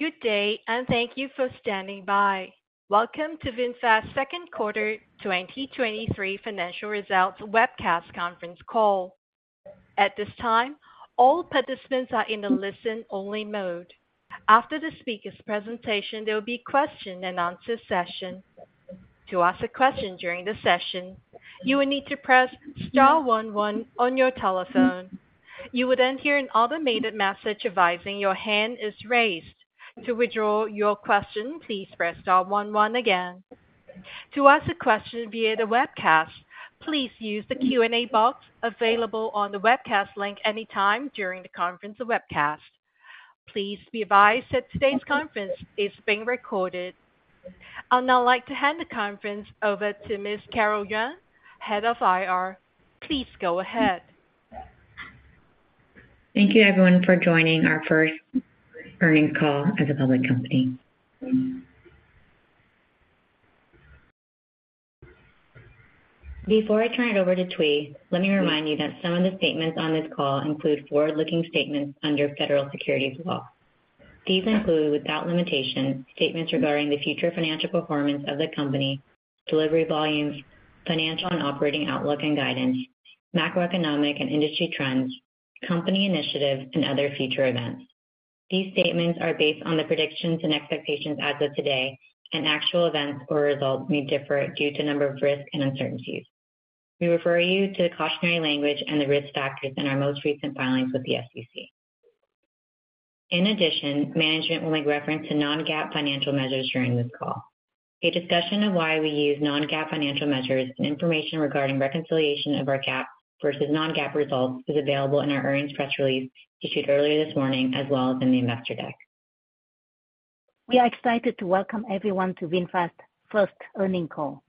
Good day, and thank you for standing by. Welcome to VinFast's second quarter 2023 financial results webcast conference call. At this time, all participants are in a listen-only mode. After the speaker's presentation, there will be question and answer session. To ask a question during the session, you will need to press star one one on your telephone. You will then hear an automated message advising your hand is raised. To withdraw your question, please press star one one again. To ask a question via the webcast, please use the Q&A box available on the webcast link anytime during the conference or webcast. Please be advised that today's conference is being recorded. I'd now like to hand the conference over to Ms. Carol Nguyen, Head of IR. Please go ahead. Thank you everyone for joining our first earnings call as a public company. Before I turn it over to Thuy, let me remind you that some of the statements on this call include forward-looking statements under federal securities law. These include, without limitation, statements regarding the future financial performance of the company, delivery volumes, financial and operating outlook and guidance, macroeconomic and industry trends, company initiatives, and other future events. These statements are based on the predictions and expectations as of today, and actual events or results may differ due to number of risks and uncertainties. We refer you to the cautionary language and the risk factors in our most recent filings with the SEC. In addition, management will make reference to Non-GAAP financial measures during this call. A discussion of why we use non-GAAP financial measures and information regarding reconciliation of our GAAP versus non-GAAP results is available in our earnings press release issued earlier this morning, as well as in the investor deck. We are excited to welcome everyone to VinFast's first earnings call.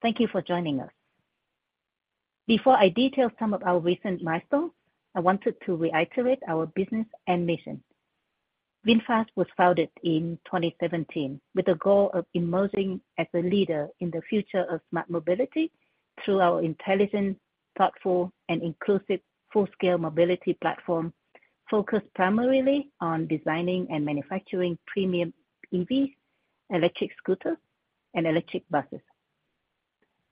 Thank you for joining us. Before I detail some of our recent milestones, I wanted to reiterate our business and mission. VinFast was founded in 2017 with the goal of emerging as a leader in the future of smart mobility through our intelligent, thoughtful, and inclusive full-scale mobility platform, focused primarily on designing and manufacturing premium EVs, electric scooters, and electric buses.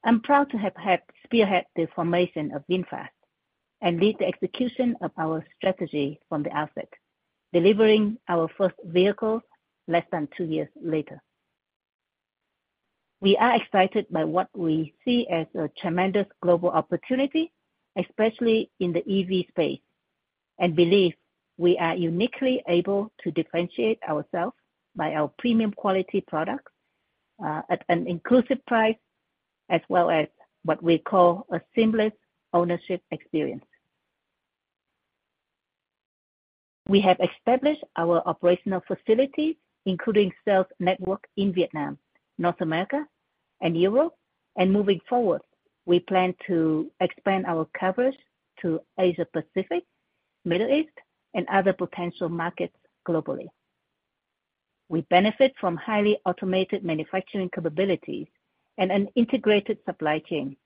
I'm proud to have helped spearhead the formation of VinFast and lead the execution of our strategy from the outset, delivering our first vehicle less than two years later. We are excited by what we see as a tremendous global opportunity, especially in the EV space, and believe we are uniquely able to differentiate ourselves by our premium quality products, at an inclusive price, as well as what we call a seamless ownership experience. We have established our operational facilities, including sales network in Vietnam, North America, and Europe, and moving forward, we plan to expand our coverage to Asia Pacific, Middle East, and other potential markets globally. We benefit from highly automated manufacturing capabilities and an integrated supply chain.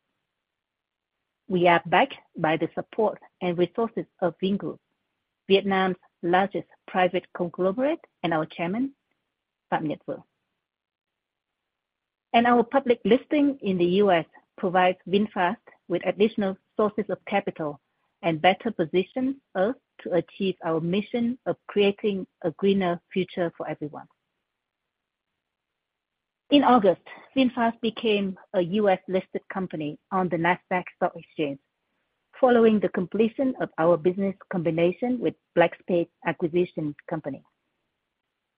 We are backed by the support and resources of Vingroup, Vietnam's largest private conglomerate, and our chairman, Pham Nhat Vuong. And our public listing in the U.S. provides VinFast with additional sources of capital and better positions us to achieve our mission of creating a greener future for everyone. In August, VinFast became a U.S.-listed company on the Nasdaq Stock Exchange, following the completion of our business combination with Black Spade Acquisition Company.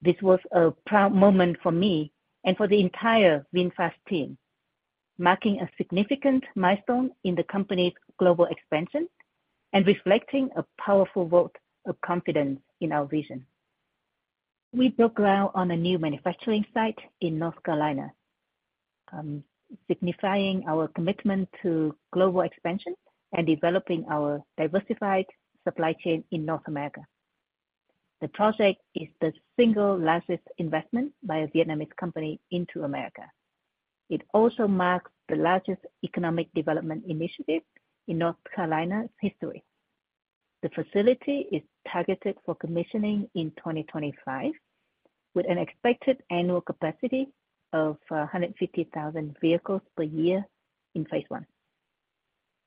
This was a proud moment for me and for the entire VinFast team, marking a significant milestone in the company's global expansion and reflecting a powerful vote of confidence in our vision. We broke ground on a new manufacturing site in North Carolina, signifying our commitment to global expansion and developing our diversified supply chain in North America. The project is the single largest investment by a Vietnamese company into America. It also marks the largest economic development initiative in North Carolina's history. The facility is targeted for commissioning in 2025, with an expected annual capacity of 150,000 vehicles per year in phase I.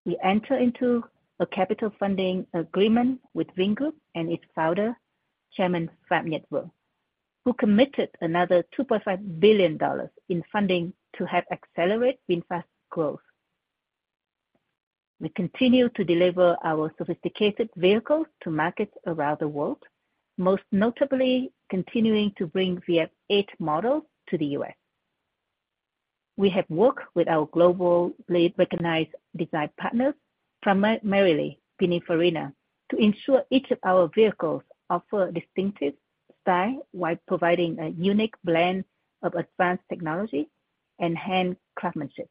We enter into a capital funding agreement with Vingroup and its founder, Chairman Pham Nhat Vuong, who committed another $2.5 billion in funding to help accelerate VinFast's growth. We continue to deliver our sophisticated vehicles to markets around the world, most notably continuing to bring VF 8 model to the U.S. We have worked with our globally recognized design partners, primarily Pininfarina, to ensure each of our vehicles offer distinctive style while providing a unique blend of advanced technology and hand craftsmanship.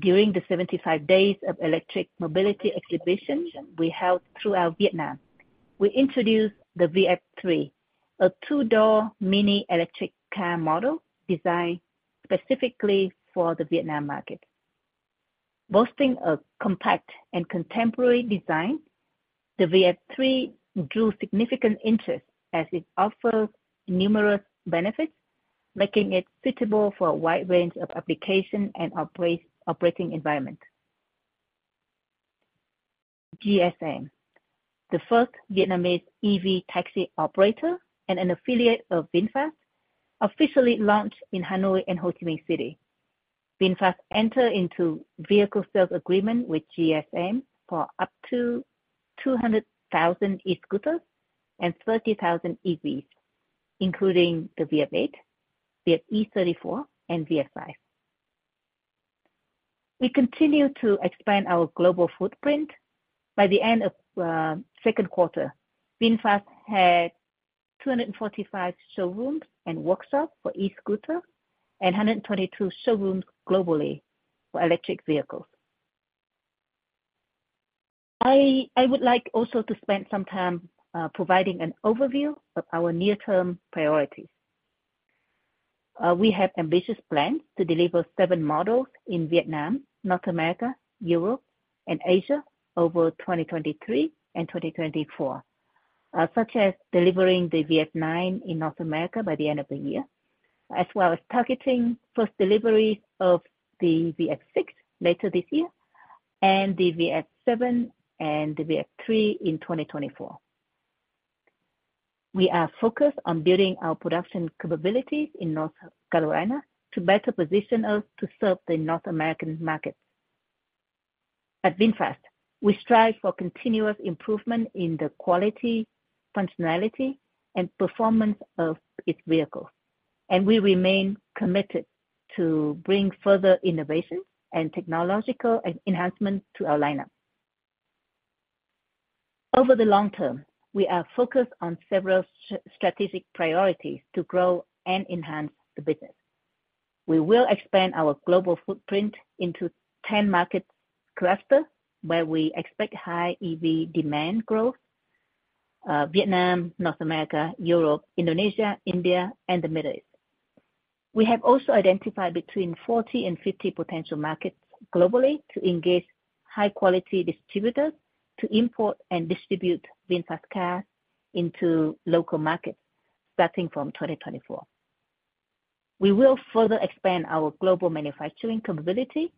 During the 75 days of electric mobility exhibitions we held throughout Vietnam, we introduced the VF 3, a two-door mini electric car model designed specifically for the Vietnam market... boasting a compact and contemporary design, the VF 3 drew significant interest as it offers numerous benefits, making it suitable for a wide range of application and operating environment. GSM, the first Vietnamese EV taxi operator and an affiliate of VinFast, officially launched in Hanoi and Ho Chi Minh City. VinFast entered into vehicle sales agreement with GSM for up to 200,000 e-scooters and 30,000 EVs, including the VF 8, VF e34, and VF 5. We continue to expand our global footprint. By the end of second quarter, VinFast had 245 showrooms and workshops for e-scooters and 122 showrooms globally for electric vehicles. I would like also to spend some time providing an overview of our near-term priorities. We have ambitious plans to deliver seven models in Vietnam, North America, Europe, and Asia over 2023 and 2024, such as delivering the VF 9 in North America by the end of the year, as well as targeting first deliveries of the VF 6 later this year, and the VF 7 and the VF 3 in 2024. We are focused on building our production capabilities in North Carolina to better position us to serve the North American market. At VinFast, we strive for continuous improvement in the quality, functionality, and performance of its vehicles, and we remain committed to bring further innovations and technological enhancements to our lineup. Over the long term, we are focused on several strategic priorities to grow and enhance the business. We will expand our global footprint into 10 market cluster, where we expect high EV demand growth: Vietnam, North America, Europe, Indonesia, India, and the Middle East. We have also identified between 40 and 50 potential markets globally to engage high-quality distributors to import and distribute VinFast cars into local markets, starting from 2024. We will further expand our global manufacturing capability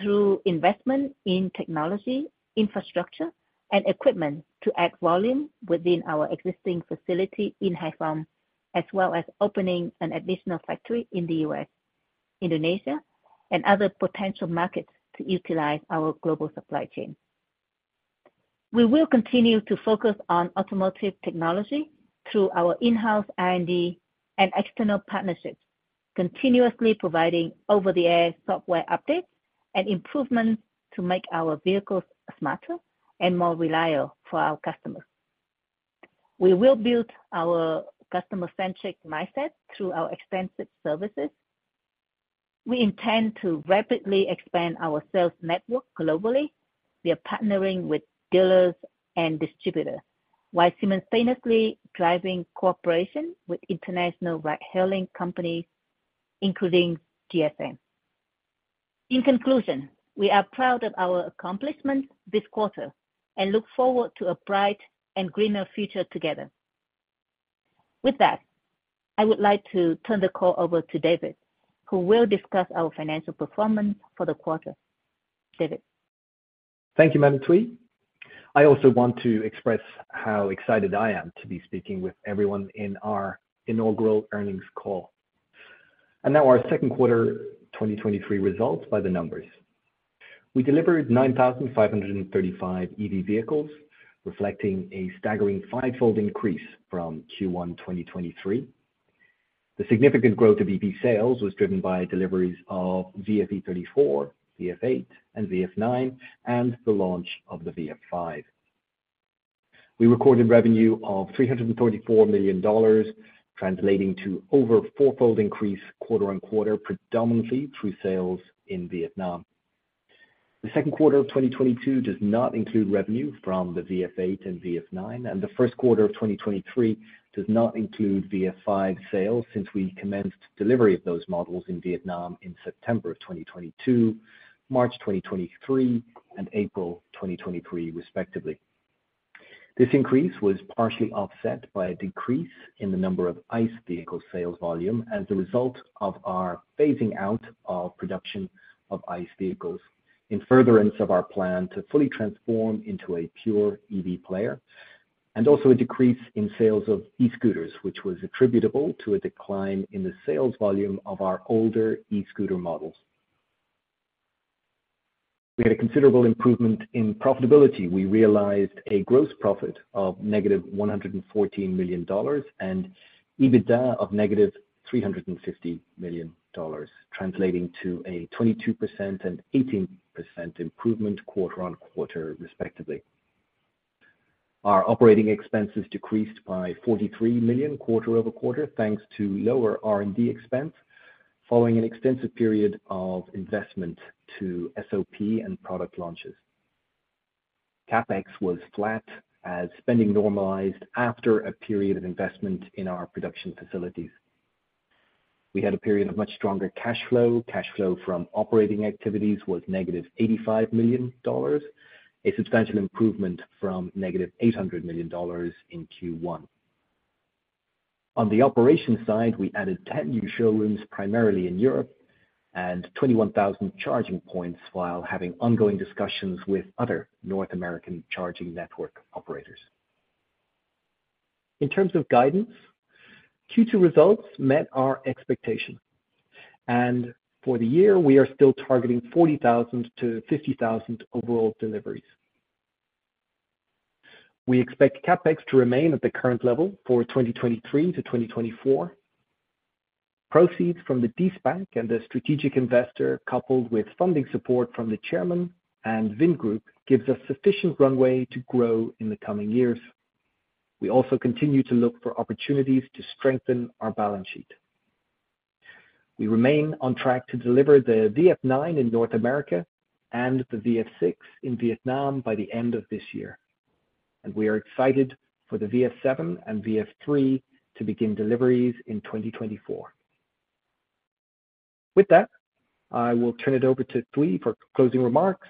through investment in technology, infrastructure, and equipment to add volume within our existing facility in Hai Phong, as well as opening an additional factory in the U.S., Indonesia, and other potential markets to utilize our global supply chain. We will continue to focus on automotive technology through our in-house R&D and external partnerships, continuously providing over-the-air software updates and improvements to make our vehicles smarter and more reliable for our customers. We will build our customer-centric mindset through our extensive services. We intend to rapidly expand our sales network globally. We are partnering with dealers and distributors, while simultaneously driving cooperation with international ride-hailing companies, including GSM. In conclusion, we are proud of our accomplishments this quarter and look forward to a bright and greener future together. With that, I would like to turn the call over to David, who will discuss our financial performance for the quarter. David? Thank you, Madam Thuy. I also want to express how excited I am to be speaking with everyone in our inaugural earnings call. Now our second quarter 2023 results by the numbers. We delivered 9,535 EV vehicles, reflecting a staggering 5-fold increase from Q1 2023. The significant growth of EV sales was driven by deliveries of VF e34, VF 8, and VF 9, and the launch of the VF 5. We recorded revenue of $334 million, translating to over 4-fold increase quarter-on-quarter, predominantly through sales in Vietnam. The second quarter of 2022 does not include revenue from the VF 8 and VF 9, and the first quarter of 2023 does not include VF 5 sales, since we commenced delivery of those models in Vietnam in September 2022, March 2023, and April 2023, respectively. This increase was partially offset by a decrease in the number of ICE vehicle sales volume as a result of our phasing out of production of ICE vehicles, in furtherance of our plan to fully transform into a pure EV player, and also a decrease in sales of E-scooters, which was attributable to a decline in the sales volume of our older E-scooter models. We had a considerable improvement in profitability. We realized a gross profit of -$114 million, and EBITDA of -$350 million, translating to a 22% and 18% improvement quarter-over-quarter, respectively. Our operating expenses decreased by $43 million quarter-over-quarter, thanks to lower R&D expense, following an extensive period of investment to SOP and product launches. CapEx was flat as spending normalized after a period of investment in our production facilities. We had a period of much stronger cash flow. Cash flow from operating activities was -$85 million, a substantial improvement from -$800 million in Q1. On the operation side, we added 10 new showrooms, primarily in Europe, and 21,000 charging points, while having ongoing discussions with other North American charging network operators. In terms of guidance, Q2 results met our expectation, and for the year, we are still targeting 40,000-50,000 overall deliveries. We expect CapEx to remain at the current level for 2023-2024. Proceeds from the de-SPAC and the strategic investor, coupled with funding support from the chairman and Vingroup, gives us sufficient runway to grow in the coming years. We also continue to look for opportunities to strengthen our balance sheet. We remain on track to deliver the VF 9 in North America and the VF 6 in Vietnam by the end of this year, and we are excited for the VF 7 and VF 3 to begin deliveries in 2024. With that, I will turn it over to Thuy for closing remarks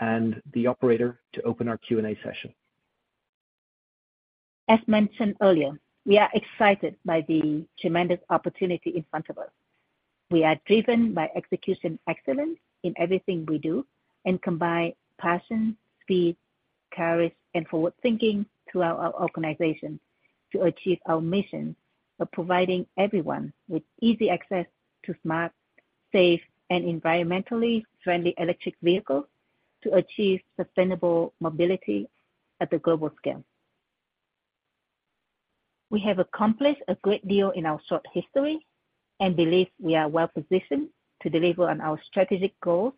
and the operator to open our Q&A session. As mentioned earlier, we are excited by the tremendous opportunity in front of us. We are driven by execution excellence in everything we do and combine passion, speed, courage, and forward thinking throughout our organization to achieve our mission of providing everyone with easy access to smart, safe, and environmentally friendly electric vehicles to achieve sustainable mobility at the global scale. We have accomplished a great deal in our short history and believe we are well-positioned to deliver on our strategic goals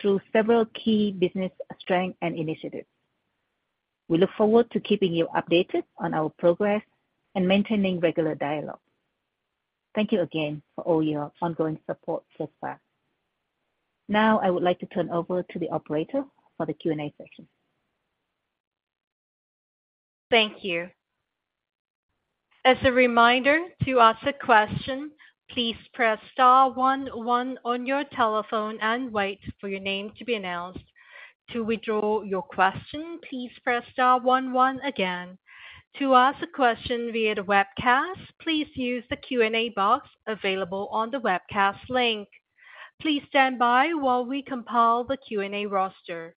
through several key business strengths and initiatives. We look forward to keeping you updated on our progress and maintaining regular dialogue. Thank you again for all your ongoing support thus far. Now, I would like to turn over to the operator for the Q&A session. Thank you. As a reminder, to ask a question, please press star one one on your telephone and wait for your name to be announced. To withdraw your question, please press star one one again. To ask a question via the webcast, please use the Q&A box available on the webcast link. Please stand by while we compile the Q&A roster.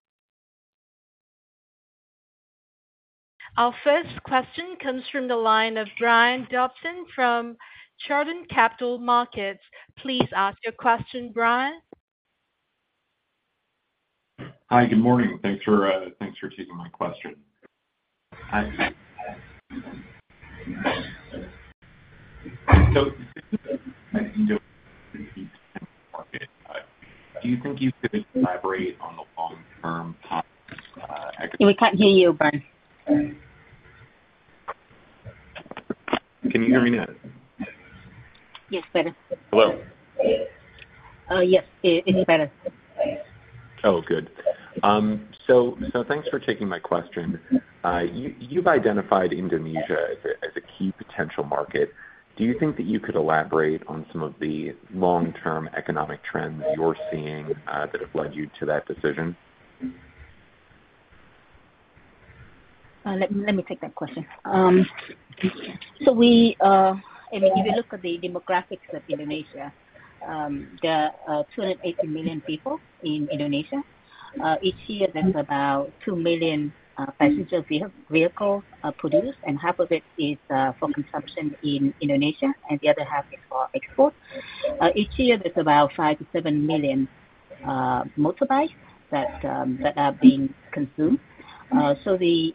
Our first question comes from the line of Brian Dobson from Chardan Capital Markets. Please ask your question, Brian. Hi, good morning. Thanks for taking my question. Hi. So do you think you could elaborate on the long-term pot,- We can't hear you, Brian. Can you hear me now? Yes, better. Hello. Yes, it's better. Oh, good. So thanks for taking my question. You've identified Indonesia as a key potential market. Do you think that you could elaborate on some of the long-term economic trends you're seeing that have led you to that decision? Let me take that question. So we, I mean, if you look at the demographics of Indonesia, there are 280 million people in Indonesia. Each year, there's about 2 million passenger vehicles produced, and half of it is for consumption in Indonesia and the other half is for export. Each year, there's about five to seven million motorbikes that are being consumed. So the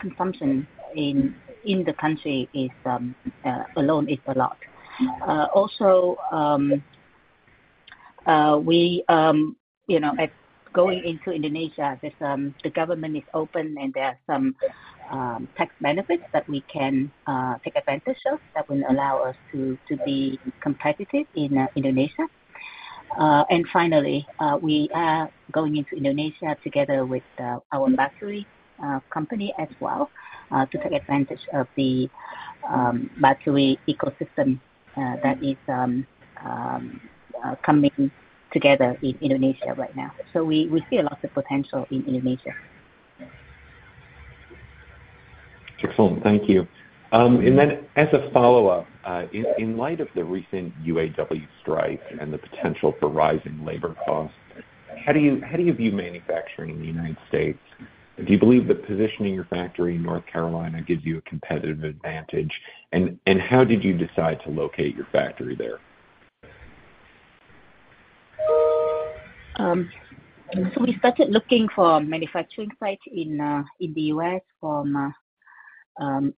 consumption in the country alone is a lot. Also, you know, as going into Indonesia, the government is open and there are some tax benefits that we can take advantage of that will allow us to be competitive in Indonesia. And finally, we are going into Indonesia together with our battery company as well, to take advantage of the battery ecosystem that is coming together in Indonesia right now. So we see a lot of potential in Indonesia. Excellent. Thank you. And then as a follow-up, in light of the recent UAW strike and the potential for rising labor costs, how do you view manufacturing in the United States? Do you believe that positioning your factory in North Carolina gives you a competitive advantage, and how did you decide to locate your factory there? So we started looking for a manufacturing site in the U.S. from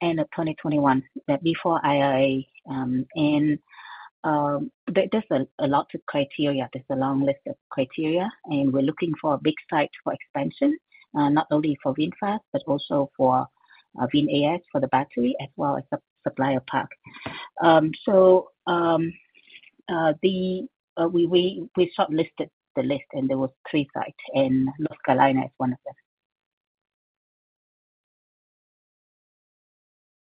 end of 2021, but before IRA. There's a lot of criteria. There's a long list of criteria, and we're looking for a big site for expansion, not only for VinFast, but also for VinES, for the battery, as well as the supplier park. So we shortlisted the list, and there was three sites, and North Carolina is one of them.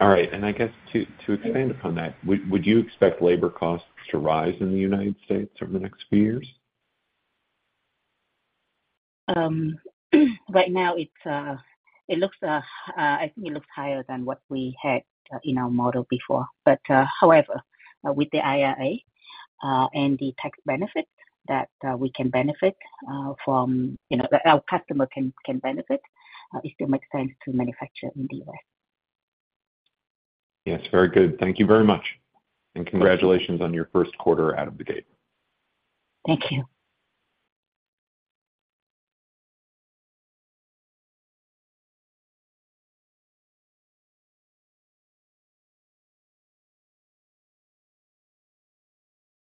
All right. I guess to expand upon that, would you expect labor costs to rise in the United States over the next few years? Right now, it's, it looks, it looks higher than what we had in our model before. However, with the IRA and the tax benefit that we can benefit from, you know, that our customer can benefit, it still makes sense to manufacture in the U.S. Yes. Very good. Thank you very much, and congratulations on your first quarter out of the gate. Thank you.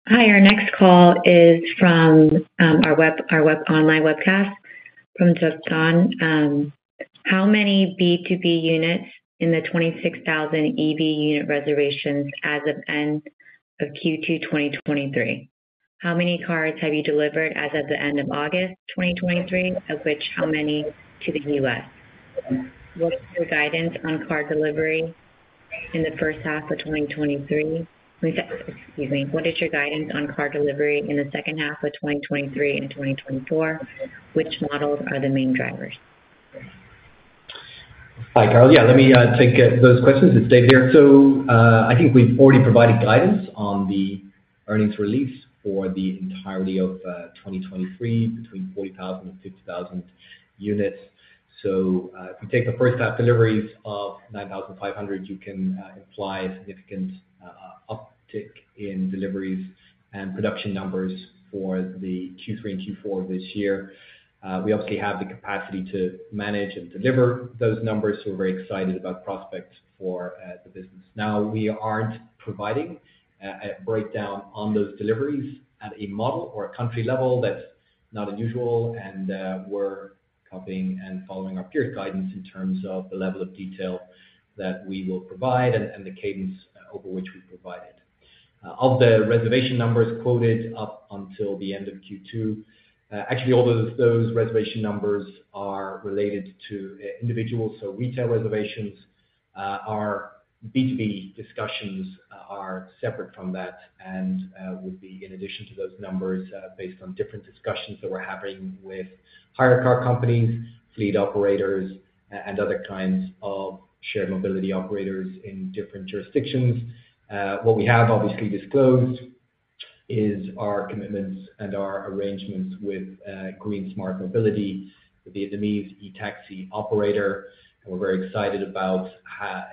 Hi. Our next call is from our online webcast from Justin. How many B2B units in the 26,000 EV unit reservations as of end of Q2 2023? How many cars have you delivered as of the end of August 2023, of which how many to the U.S.? What's your guidance on car delivery in the first half of 2023? Excuse me. What is your guidance on car delivery in the second half of 2023 and 2024? Which models are the main drivers? Hi, Carol. Yeah, let me take those questions and stay here. So, I think we've already provided guidance on the earnings release for the entirety of 2023, between 40,000 and 50,000 units. So, if you take the first half deliveries of 9,500, you can imply a significant uptick in deliveries and production numbers for the Q3 and Q4 this year. We obviously have the capacity to manage and deliver those numbers, so we're very excited about prospects for the business. Now, we aren't providing a breakdown on those deliveries at a model or a country level. That's not unusual, and we're copying and following our peers' guidance in terms of the level of detail that we will provide and the cadence over which we provide it. Of the reservation numbers quoted up until the end of Q2, actually, all of those reservation numbers are related to individuals. Retail reservations, our B2B discussions, are separate from that and would be in addition to those numbers, based on different discussions that we're having with hire car companies, fleet operators, and other kinds of shared mobility operators in different jurisdictions. What we have obviously disclosed is our commitments and our arrangements with Green and Smart Mobility, the Vietnamese e-taxi operator. We're very excited about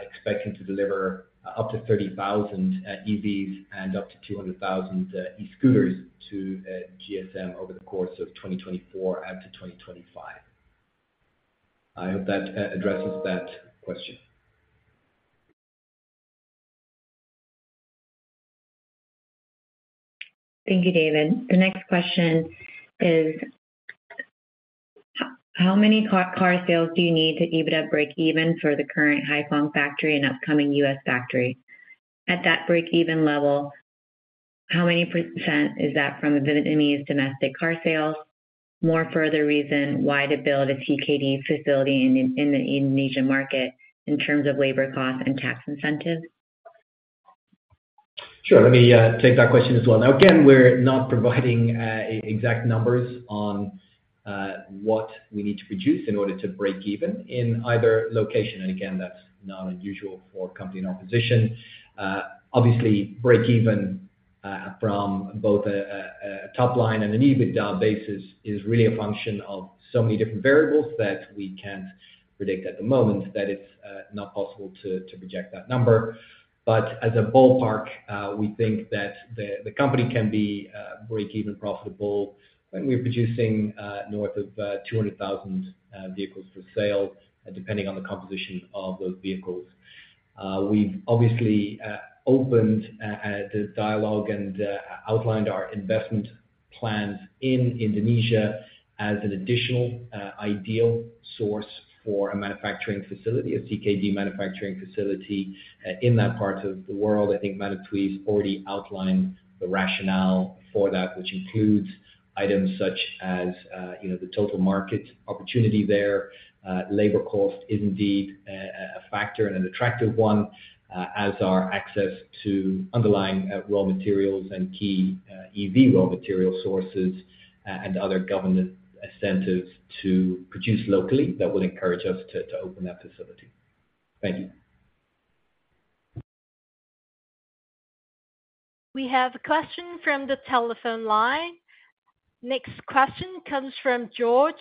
expecting to deliver up to 30,000 EVs and up to 200,000 e-scooters to GSM over the course of 2024 and to 2025. I hope that addresses that question. Thank you, David. The next question is, how many car sales do you need to EBITDA breakeven for the current Hai Phong factory and upcoming U.S. factory? At that breakeven level, how many % is that from the Vietnamese domestic car sales? More further reason why to build a CKD facility in the Indonesia market in terms of labor costs and tax incentives. Sure. Let me take that question as well. Now, again, we're not providing exact numbers on what we need to produce in order to break even in either location. And again, that's not unusual for a company in our position. Obviously, breakeven from both a top line and an EBITDA basis is really a function of so many different variables that we can't predict at the moment, that it's not possible to project that number. But as a ballpark, we think that the company can be breakeven profitable when we're producing north of 200,000 vehicles for sale, depending on the composition of those vehicles. We've obviously opened the dialogue and outlined our investment plans in Indonesia as an additional ideal source for a manufacturing facility, a CKD manufacturing facility, in that part of the world. I think Matt or Thuy already outlined the rationale for that, which includes items such as, you know, the total market opportunity there. Labor cost is indeed a factor and an attractive one, as our access to underlying raw materials and key EV raw material sources, and other government incentives to produce locally that would encourage us to open that facility. Thank you. We have a question from the telephone line. Next question comes from George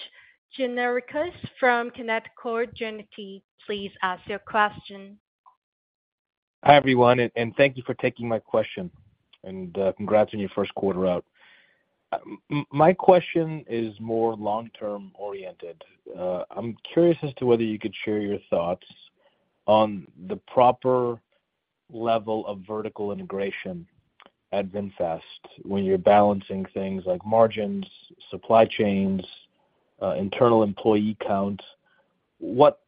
Gianarikas from Canaccord Genuity. Please ask your question. Hi, everyone, and thank you for taking my question, and congrats on your first quarter out. My question is more long-term oriented. I'm curious as to whether you could share your thoughts on the proper level of vertical integration at VinFast, when you're balancing things like margins, supply chains, internal employee count? What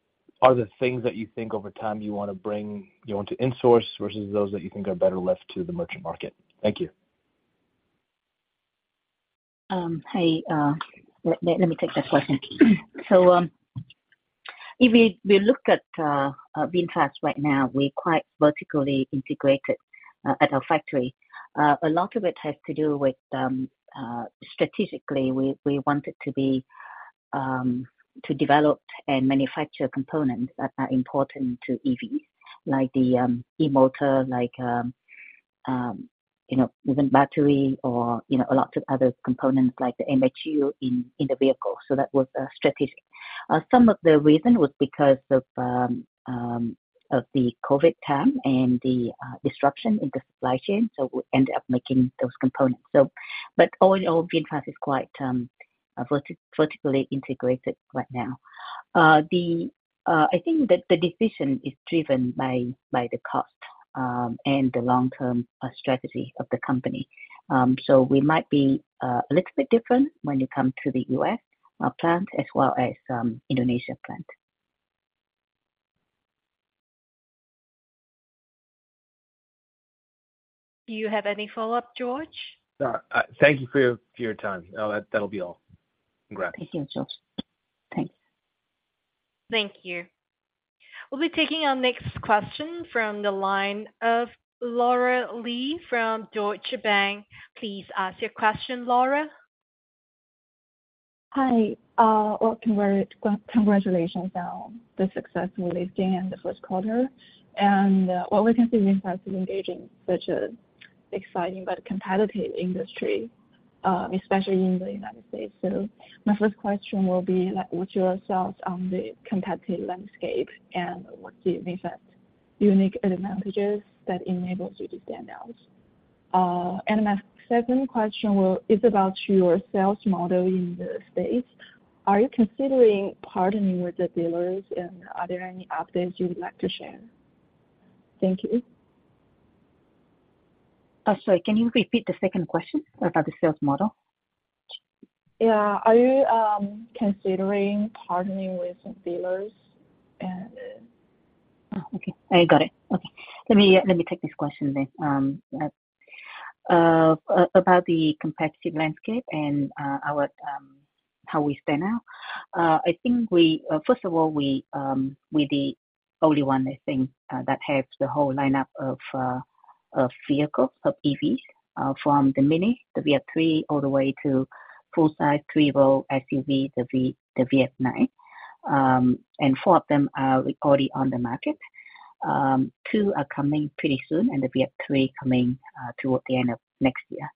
are the things that you think over time you want to bring, you want to insource versus those that you think are better left to the merchant market? Thank you. Hey, let me take that question. If we look at VinFast right now, we're quite vertically integrated at our factory. A lot of it has to do with, strategically, we wanted to be, to develop and manufacture components that are important to EVs, like the e-motor, like, you know, even battery or, you know, a lot of other components like the MHU in the vehicle. That was strategic. Some of the reason was because of the COVID time and the disruption in the supply chain, so we ended up making those components. All in all, VinFast is quite vertically integrated right now. I think that the decision is driven by the cost and the long-term strategy of the company. So we might be a little bit different when you come to the U.S. plant as well as Indonesia plant. Do you have any follow-up, George? No. Thank you for your, for your time. No, that, that'll be all. Congrats. Thank you, George. Thanks. Thank you. We'll be taking our next question from the line of Laura Lee from Deutsche Bank. Please ask your question, Laura. Hi. Well, congratulations on the success releasing in the first quarter. And what we can see VinFast is engaging such an exciting but competitive industry, especially in the United States. So my first question will be, like, what's your thoughts on the competitive landscape, and what do you think that unique advantages that enables you to stand out? And my second question is about your sales model in the States. Are you considering partnering with the dealers, and are there any updates you would like to share? Thank you. Sorry, can you repeat the second question about the sales model? Yeah. Are you considering partnering with dealers and... Oh, okay. I got it. Okay. Let me, let me take this question then. About the competitive landscape and, our, how we stand out. I think we, first of all, we, we're the only one, I think, that has the whole lineup of, of vehicles, of EVs, from the mini, the VF 3, all the way to full-size three-row SUV, the V- the VF 9. And four of them are already on the market. Two are coming pretty soon, and the VF 3 coming, toward the end of next year.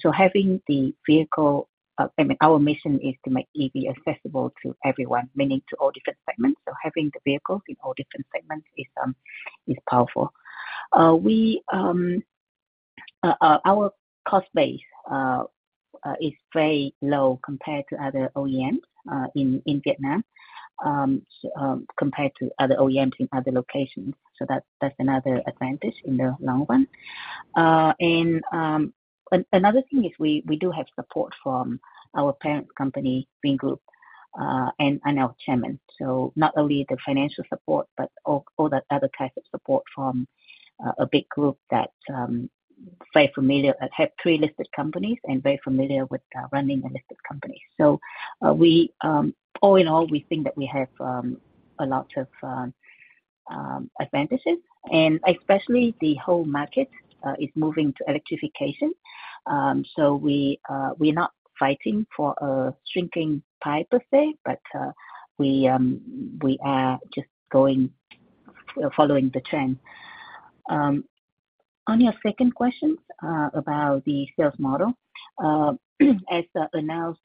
So having the vehicle, I mean, our mission is to make EV accessible to everyone, meaning to all different segments, so having the vehicles in all different segments is, is powerful. We, our cost base is very low compared to other OEMs in Vietnam, so compared to other OEMs in other locations. So that's another advantage in the long run. And another thing is we do have support from our parent company, Vingroup, and our chairman. So not only the financial support, but all the other types of support from a big group that very familiar and have three listed companies and very familiar with running a listed company. So we, all in all, we think that we have a lot of advantages, and especially the whole market is moving to electrification. So we're not fighting for a shrinking pie, per se, but we are just going, following the trend. On your second question, about the sales model, as announced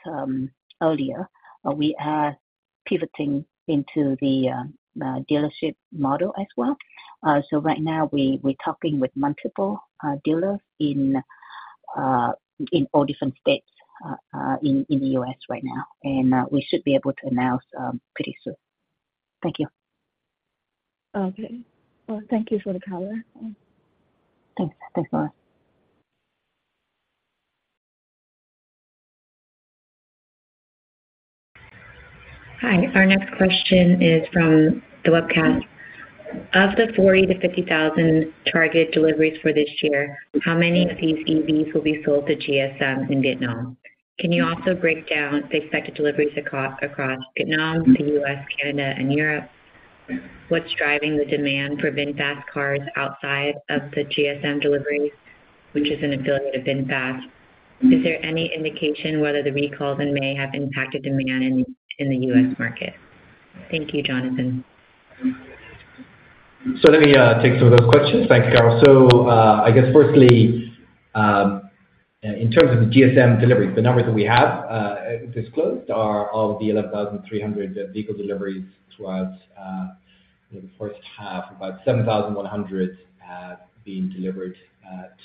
earlier, we are pivoting into the dealership model as well. So right now we're talking with multiple dealers in all different states in the U.S. right now, and we should be able to announce pretty soon. Thank you. Okay. Well, thank you for the color, and- Thanks. Thanks, Laura. Hi. Our next question is from the webcast. Of the 40-50,000 target deliveries for this year, how many of these EVs will be sold to GSM in Vietnam? Can you also break down the expected deliveries across Vietnam, the U.S., Canada, and Europe? What's driving the demand for VinFast cars outside of the GSM deliveries, which is an affiliate of VinFast? Is there any indication whether the recalls in May have impacted demand in the U.S. market? Thank you, Jonathan. Let me take some of those questions. Thanks, Carol. I guess firstly, in terms of the GSM deliveries, the numbers that we have disclosed are of the 11,300 vehicle deliveries throughout the first half, about 7,100 have been delivered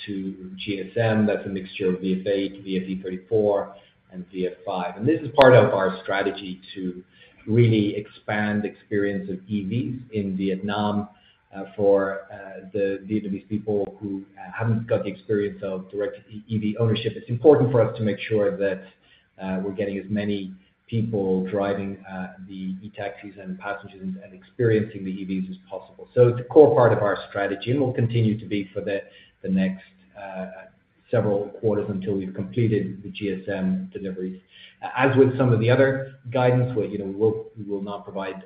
to GSM. That's a mixture of VF 8, VF e34, and VF 5. This is part of our strategy to really expand the experience of EVs in Vietnam for the Vietnamese people who haven't got the experience of direct EV ownership. It's important for us to make sure that we're getting as many people driving the e-taxis and passengers and experiencing the EVs as possible. It's a core part of our strategy and will continue to be for the next several quarters until we've completed the GSM deliveries. As with some of the other guidance, where, you know, we will not provide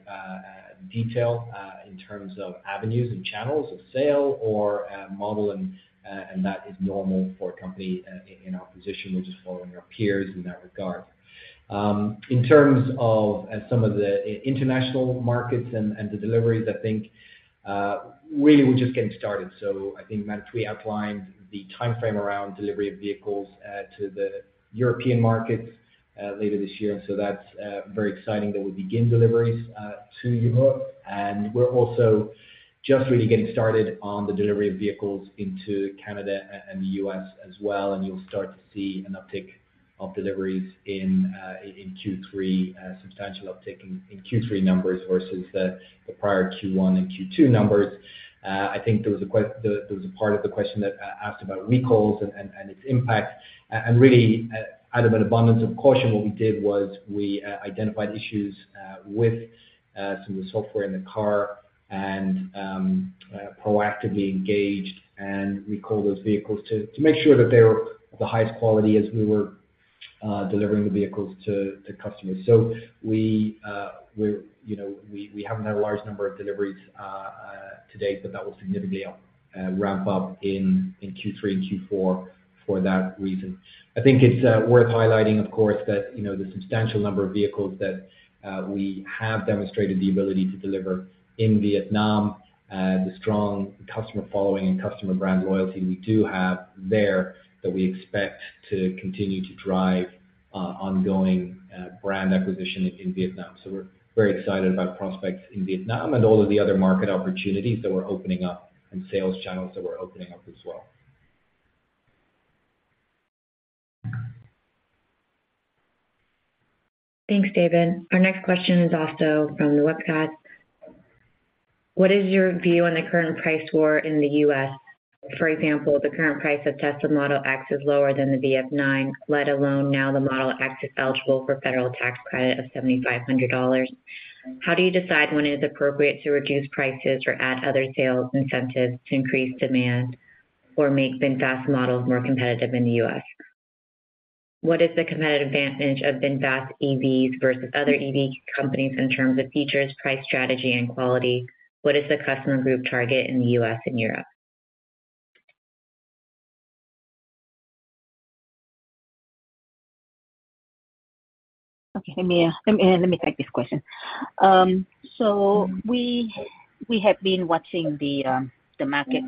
detail in terms of avenues and channels of sale or model, and that is normal for a company in our position. We're just following our peers in that regard. In terms of some of the international markets and the deliveries, I think, really we're just getting started. So I think that we outlined the timeframe around delivery of vehicles to the European markets later this year. So that's very exciting that we begin deliveries to Europe. And we're also just really getting started on the delivery of vehicles into Canada and the U.S. as well, and you'll start to see an uptick of deliveries in Q3, a substantial uptick in Q3 numbers versus the prior Q1 and Q2 numbers. I think there was a part of the question that asked about recalls and its impact. Really, out of an abundance of caution, what we did was we identified issues with some of the software in the car and proactively engaged and recalled those vehicles to make sure that they were the highest quality as we were delivering the vehicles to customers. So we're, you know, we haven't had a large number of deliveries to date, but that will significantly ramp up in Q3 and Q4 for that reason. I think it's worth highlighting, of course, that, you know, the substantial number of vehicles that we have demonstrated the ability to deliver in Vietnam, the strong customer following and customer brand loyalty we do have there, that we expect to continue to drive ongoing brand acquisition in Vietnam. So we're very excited about prospects in Vietnam and all of the other market opportunities that we're opening up and sales channels that we're opening up as well. Thanks, David. Our next question is also from the webcast. What is your view on the current price war in the U.S.? For example, the current price of Tesla Model X is lower than the VF 9, let alone now the Model X is eligible for federal tax credit of $7,500. How do you decide when it is appropriate to reduce prices or add other sales incentives to increase demand or make VinFast models more competitive in the U.S.? What is the competitive advantage of VinFast EVs versus other EV companies in terms of features, price, strategy, and quality? What is the customer group target in the U.S. and Europe? Okay, let me take this question. So we have been watching the market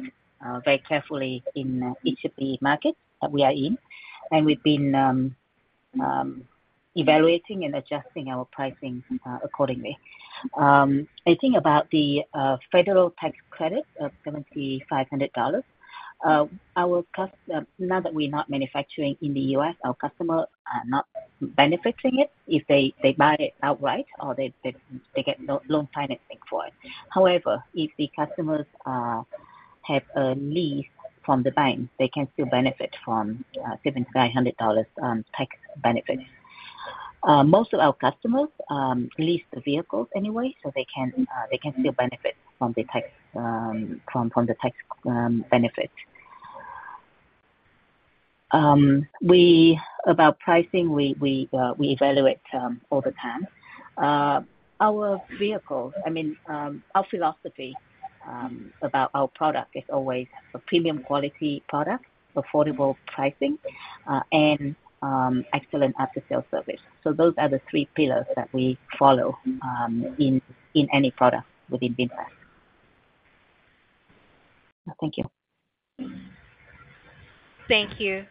very carefully in each of the markets that we are in, and we've been evaluating and adjusting our pricing accordingly. I think about the federal tax credit of $7,500, our customers now that we're not manufacturing in the U.S., our customers are not benefiting it. If they buy it outright or they get loan financing for it. However, if the customers have a lease from the bank, they can still benefit from $7,500 tax benefits. Most of our customers lease the vehicles anyway, so they can still benefit from the tax benefit. About pricing, we evaluate all the time. Our vehicle, I mean, our philosophy about our product is always a premium quality product, affordable pricing, and excellent after-sale service. So those are the three pillars that we follow in any product within VinFast. Thank you. Thank you.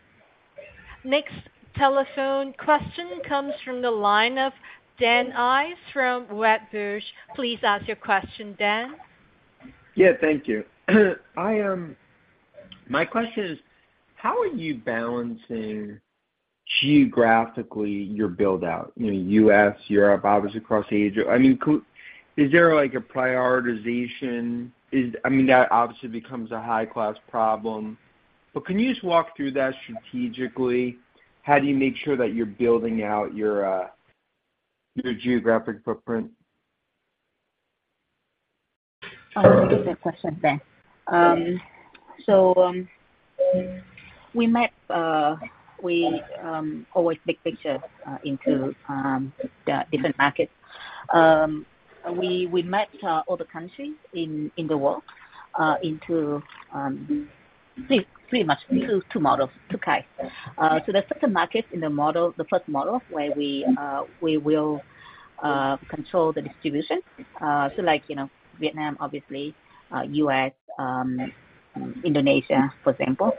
Next telephone question comes from the line of Dan Ives from Wedbush. Please ask your question, Dan. Yeah, thank you. I, my question is: How are you balancing geographically your build-out in the U.S., Europe, obviously across Asia? I mean, is there like a prioritization? I mean, that obviously becomes a high-class problem, but can you just walk through that strategically? How do you make sure that you're building out your, your geographic footprint? Oh, good question, Dan. We met, we always big picture into the different markets. We met all the countries in the world into pretty much two models, two kinds. Certain markets in the model, the first model, where we will control the distribution, like, you know, Vietnam, obviously, U.S., Indonesia, for example.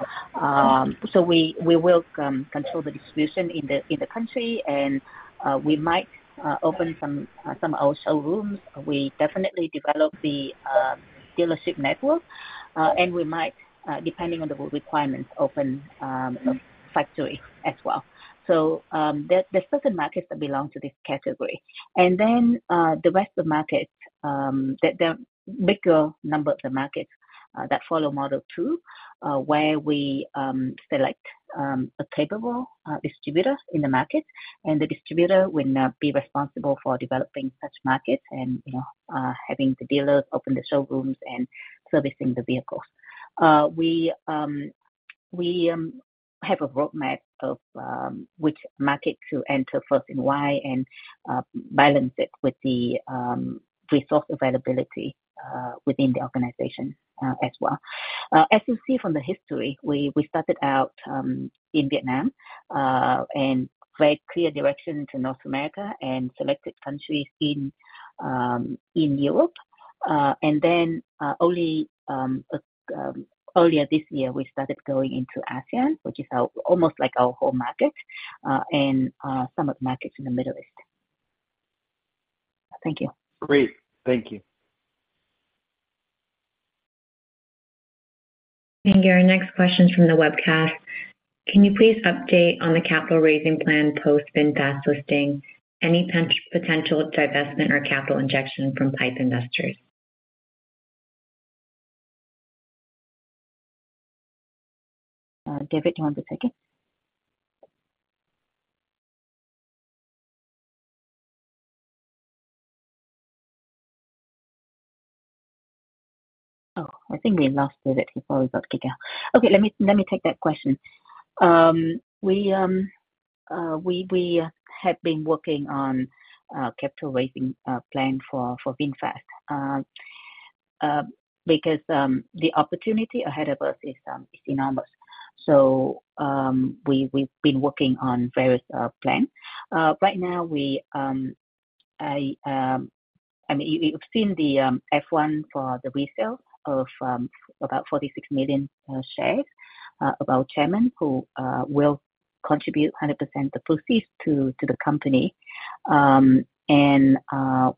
We will control the distribution in the country and we might open some also showrooms. We definitely develop the dealership network, and we might, depending on the requirements, open a factory as well. There are certain markets that belong to this category. Then, the rest of the markets, the bigger number of the markets, that follow model two, where we select a capable distributor in the market, and the distributor will now be responsible for developing such markets and, you know, having the dealers open the showrooms and servicing the vehicles. We have a roadmap of which market to enter first and why, and balance it with the resource availability within the organization, as well. As you see from the history, we started out in Vietnam, and very clear direction to North America and selected countries in Europe. And then, only earlier this year, we started going into ASEAN, which is almost like our home market, and some of the markets in the Middle East. Thank you. Great. Thank you. Thank you. Our next question is from the webcast: Can you please update on the capital raising plan post-VinFast listing? Any potential divestment or capital injection from PIPE investors? David, do you want to take it? Oh, I think we lost David before we got to kick out. Okay, let me take that question. We have been working on capital raising plan for VinFast. Because the opportunity ahead of us is enormous. So, we've been working on various plans. Right now, I mean, you've seen the F-1 for the resale of about 46 million shares of our chairman, who will contribute 100% the proceeds to the company. And there are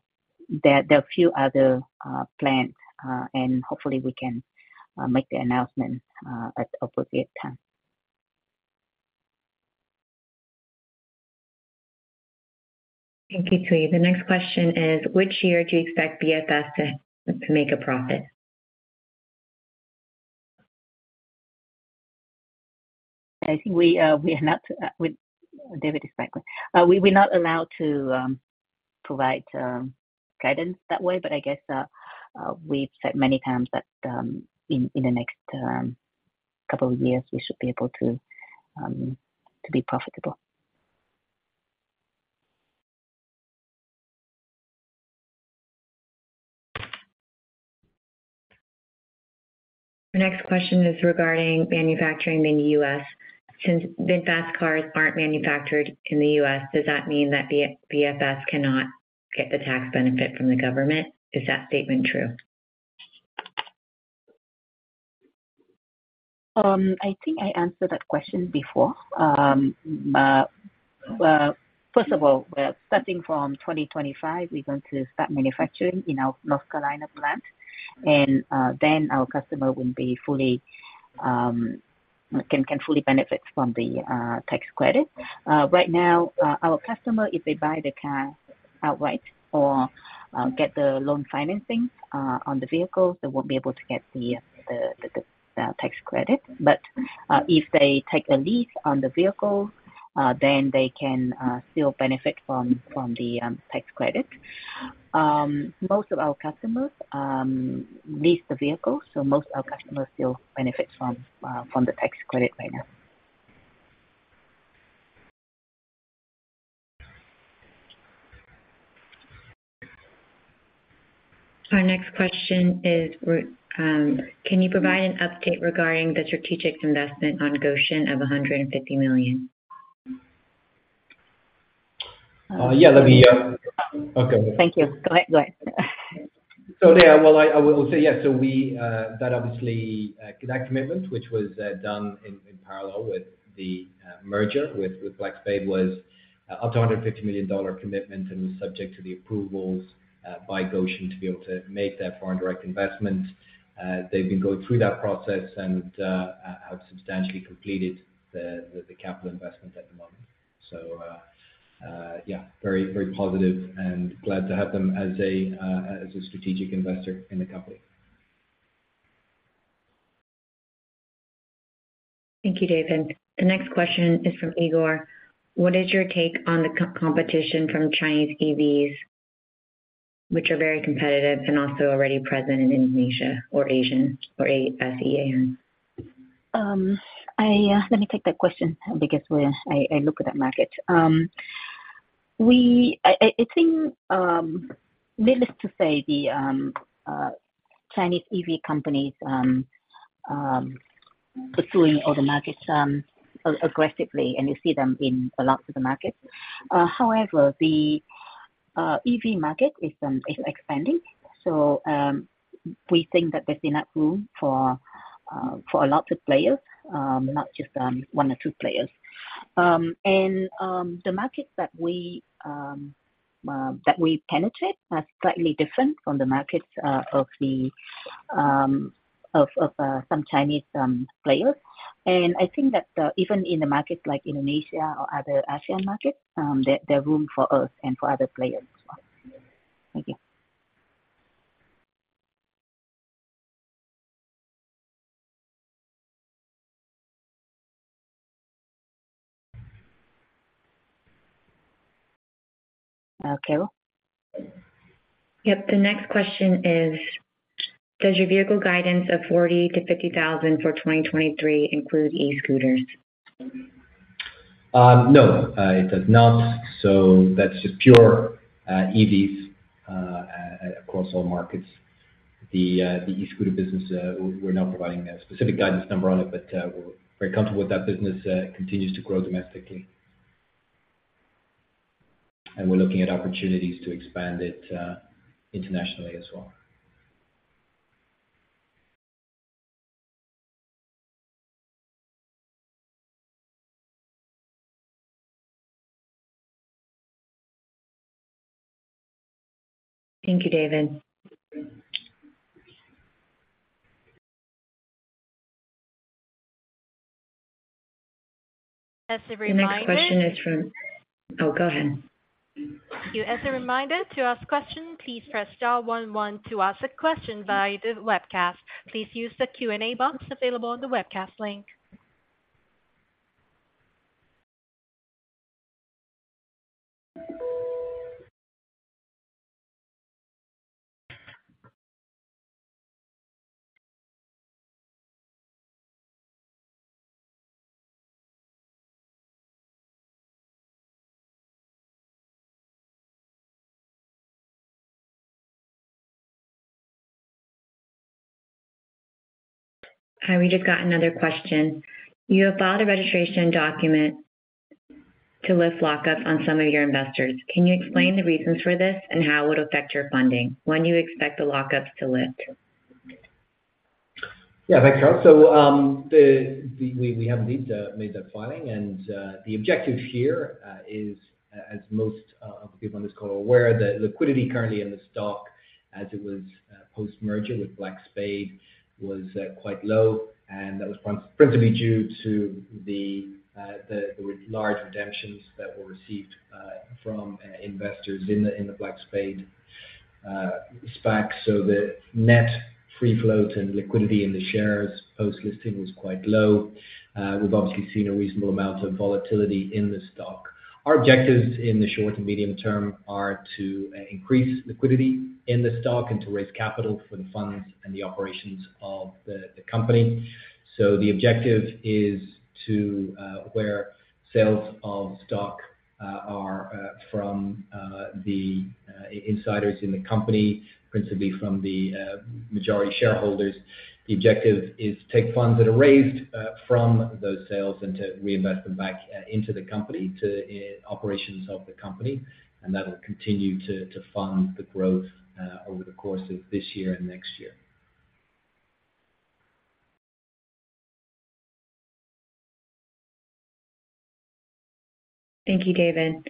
a few other plans, and hopefully we can make the announcement at appropriate time. Thank you, Thuy. The next question is, which year do you expect VFS to make a profit? I think we are not. David is back. We're not allowed to provide guidance that way, but I guess we've said many times that in the next couple of years, we should be able to be profitable. The next question is regarding manufacturing in the U.S. Since VinFast cars aren't manufactured in the U.S., does that mean that VF- VFS cannot get the tax benefit from the government? Is that statement true? I think I answered that question before. Well, first of all, starting from 2025, we're going to start manufacturing in our North Carolina plant, and then our customer will be fully benefit from the tax credit. Right now, our customer, if they buy the car outright or get the loan financing on the vehicles, they won't be able to get the tax credit. But, if they take a lease on the vehicle, then they can still benefit from the tax credit. Most of our customers lease the vehicle, so most of our customers still benefit from the tax credit right now. Our next question is: can you provide an update regarding the strategic investment on Gotion of $150 million? Yeah, let me... Okay. Thank you. Go ahead. Go ahead. So, yeah, well, I will say yes. So, that obviously, that commitment, which was done in parallel with the merger with Black Spade, was up to a $150 million commitment and was subject to the approvals by Gotion to be able to make that foreign direct investment. They've been going through that process and have substantially completed the capital investment at the moment. So, yeah, very positive and glad to have them as a strategic investor in the company. Thank you, David. The next question is from Igor. What is your take on the competition from Chinese EVs, which are very competitive and also already present in Indonesia or Asia or ASEAN? Let me take that question because where I look at that market. I think, needless to say, the Chinese EV companies pursuing all the markets aggressively, and you see them in a lot of the markets. However, the EV market is expanding, so we think that there's enough room for a lot of players, not just one or two players. And the markets that we penetrate are slightly different from the markets of some Chinese players. And I think that even in the markets like Indonesia or other ASEAN markets, there are room for us and for other players as well. Thank you. Yep. The next question is: Does your vehicle guidance of 40,000-50,000 for 2023 include e-scooters? No, it does not. So that's just pure EVs across all markets. The e-scooter business, we're not providing a specific guidance number on it, but we're very comfortable with that business continues to grow domestically. And we're looking at opportunities to expand it internationally as well. Thank you, David. As a reminder- The next question is from... Oh, go ahead. As a reminder, to ask questions, please press star one one. To ask a question via the webcast, please use the Q&A box available on the webcast link. Hi, we just got another question. You have filed a registration document to lift lockup on some of your investors. Can you explain the reasons for this and how it would affect your funding, when you expect the lockups to lift? Yeah, thanks, Carol. We have indeed made that filing. The objective here, as most of the people on this call are aware, the liquidity currently in the stock as it was post-merger with Black Spade was quite low, and that was principally due to the large redemptions that were received from investors in the Black Spade SPAC. The net free float and liquidity in the shares post-listing was quite low. We've obviously seen a reasonable amount of volatility in the stock. Our objectives in the short and medium term are to increase liquidity in the stock and to raise capital for the funds and the operations of the company. So the objective is to where sales of stock are from the insiders in the company, principally from the majority shareholders, the objective is to take funds that are raised from those sales and to reinvest them back into the company, to operations of the company. And that will continue to fund the growth over the course of this year and next year. Thank you, David.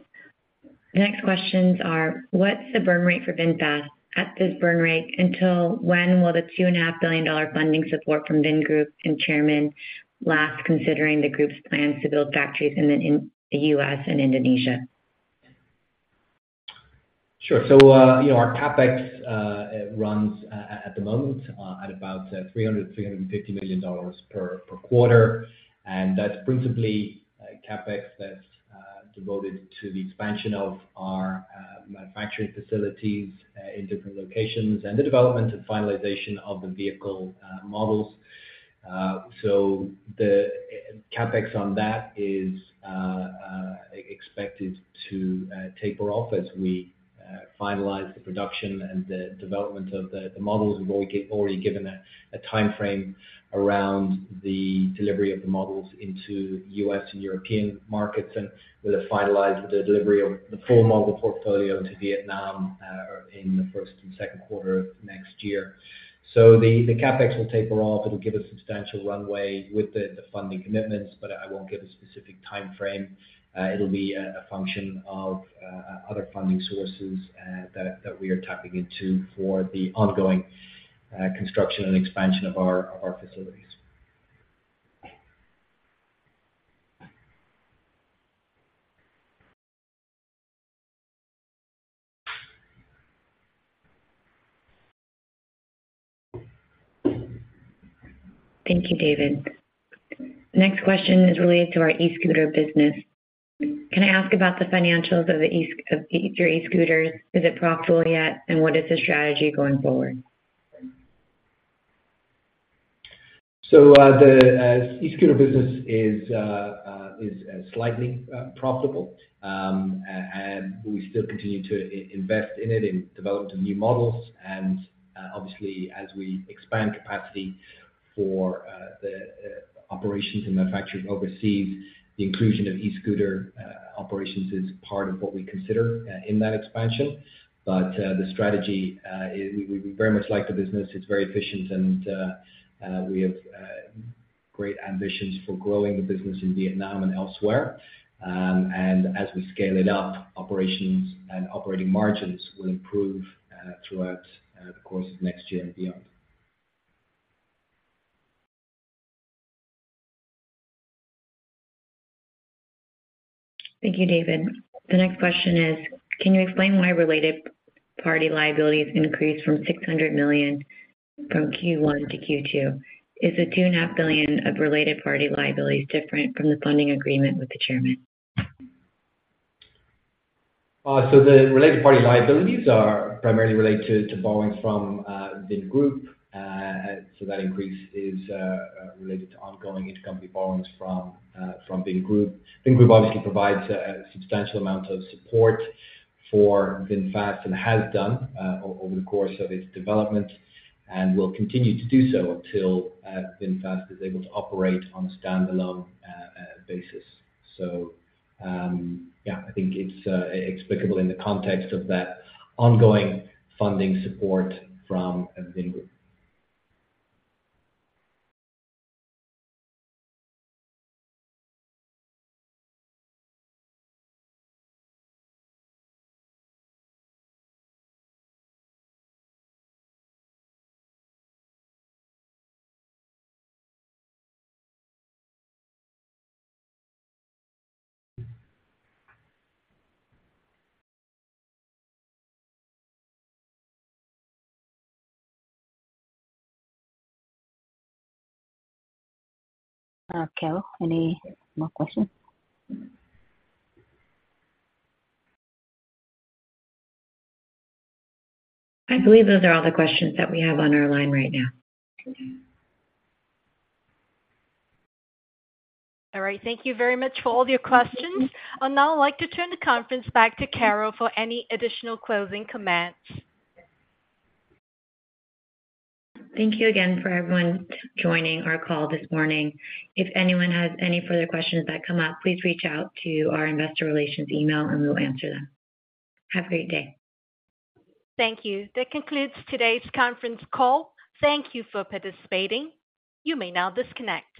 The next questions are: What's the burn rate for VinFast? At this burn rate, until when will the $2.5 billion funding support from Vingroup and chairman last, considering the group's plans to build factories in the U.S. and Indonesia? Sure. So, you know, our CapEx runs at the moment at about $300 million-$350 million per quarter, and that's principally CapEx that's devoted to the expansion of our manufacturing facilities in different locations and the development and finalization of the vehicle models. So the CapEx on that is expected to taper off as we finalize the production and the development of the models. We've already given a timeframe around the delivery of the models into U.S. and European markets, and we'll finalize the delivery of the full model portfolio to Vietnam in the first and second quarter of next year. So the CapEx will taper off. It'll give us substantial runway with the funding commitments, but I won't give a specific timeframe. It'll be a function of other funding sources that we are tapping into for the ongoing construction and expansion of our facilities. Thank you, David. The next question is related to our e-scooter business. Can I ask about the financials of your e-scooters? Is it profitable yet? And what is the strategy going forward? So, the e-scooter business is slightly profitable. And we still continue to invest in it, in developing new models. And obviously, as we expand capacity for the operations and manufacturing overseas, the inclusion of e-scooter operations is part of what we consider in that expansion. But the strategy is we very much like the business. It's very efficient, and we have great ambitions for growing the business in Vietnam and elsewhere. And as we scale it up, operations and operating margins will improve throughout the course of next year and beyond. Thank you, David. The next question is: Can you explain why related-party liabilities increased from $600 million from Q1 to Q2? Is the $2.5 billion of related-party liabilities different from the funding agreement with the chairman? So the related party liabilities are primarily related to borrowings from Vingroup. So that increase is related to ongoing intercompany borrowings from Vingroup. Vingroup obviously provides a substantial amount of support for VinFast and has done over the course of its development, and will continue to do so until VinFast is able to operate on a standalone basis. So, yeah, I think it's explicable in the context of that ongoing funding support from Vingroup. Carol, any more questions? I believe those are all the questions that we have on our line right now. All right. Thank you very much for all your questions. I'd now like to turn the conference back to Carol for any additional closing comments. Thank you again for everyone joining our call this morning. If anyone has any further questions that come up, please reach out to our investor relations email, and we'll answer them. Have a great day. Thank you. That concludes today's conference call. Thank you for participating. You may now disconnect.